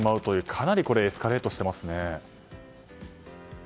かなりエスカレートしていますね。